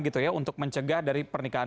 gitu ya untuk mencegah dari pernikahan